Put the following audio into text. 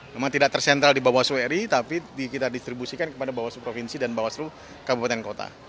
memang tidak tersentral di bawah swri tapi kita distribusikan kepada bawaslu provinsi dan bawaslu kabupaten kota